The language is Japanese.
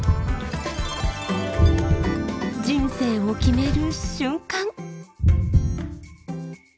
人生を決める瞬間。